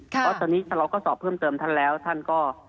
เพราะตอนนี้เราก็สอบเพิ่มเติมท่านแล้วท่านก็